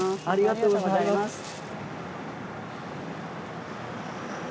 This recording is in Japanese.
ありがとうございます。